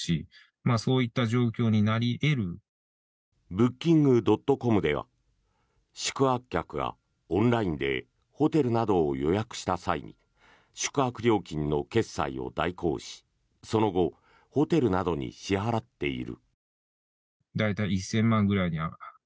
ブッキングドットコムでは宿泊客がオンラインでホテルなどを予約した際に宿泊料金の決済を代行しその後、ホテルなどに支払っている。